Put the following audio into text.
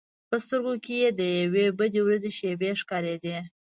په سترګو کې یې د یوې بدې ورځې شېبې ښکارېدې.